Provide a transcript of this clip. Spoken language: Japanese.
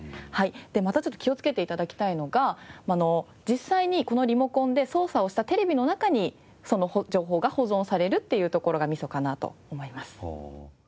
でまたちょっと気をつけて頂きたいのが実際にこのリモコンで操作をしたテレビの中にその情報が保存されるっていうところがみそかなと思います。